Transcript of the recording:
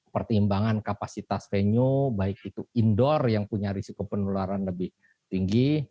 pertimbangan kapasitas venue baik itu indoor yang punya risiko penularan lebih tinggi